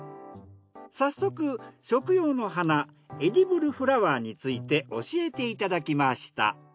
早速食用の花エディブルフラワーについて教えていただきました。